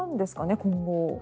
今後。